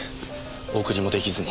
お送りも出来ずに。